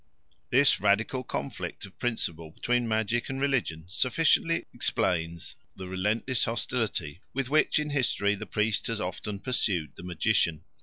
This radical conflict of principle between magic and religion sufficiently explains the relentless hostility with which in history the priest has often pursued the magician.